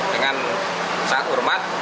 dengan saat urmat